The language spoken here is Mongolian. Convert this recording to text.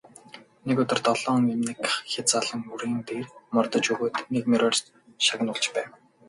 Нэг өдөр долоон эмнэг хязаалан үрээн дээр мордож өгөөд нэг мориор шагнуулж байв.